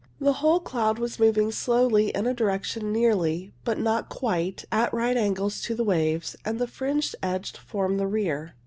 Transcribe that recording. The whole cloud was moving slowly in a direction nearly, but not quite, at right angles to the waves, and the fringed edge formed the rear.